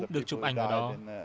được chụp ảnh ở đó